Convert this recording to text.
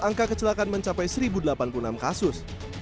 angka kecelakaan mencapai satu delapan puluh enam kasus